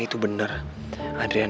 kadang kadang manne masuk vice village simple